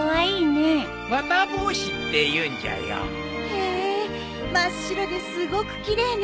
へえ真っ白ですごく奇麗ね。